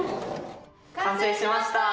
完成しました！